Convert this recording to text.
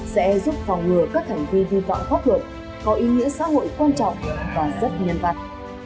sẽ giúp phòng ngừa các hành vi vi phạm pháp luật có ý nghĩa xã hội quan trọng và rất nhân vật